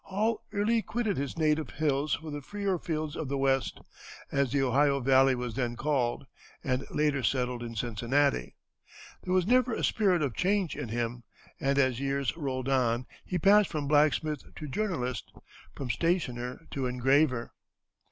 Hall early quitted his native hills for the freer fields of the West, as the Ohio Valley was then called, and later settled in Cincinnati. There was ever a spirit of change in him, and as years rolled on he passed from blacksmith to journalist, from stationer to engraver.